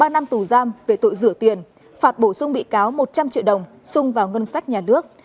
ba năm tù giam về tội rửa tiền phạt bổ sung bị cáo một trăm linh triệu đồng xung vào ngân sách nhà nước